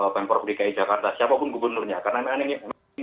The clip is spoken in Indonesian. pemprov dki jakarta siapapun gubernurnya karena memang ini